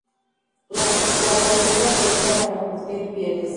La corteza se usa para curtir pieles.